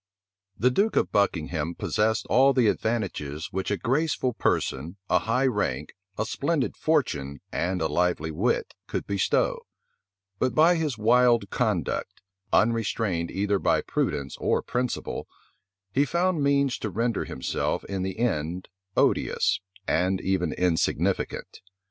The duke of Buckingham possessed all the advantages which a graceful person, a high rank, a splendid fortune, and a lively wit could bestow; but by his wild conduct, unrestrained either by prudence or principle, he found means to render himself in the end odious, and even insignificant.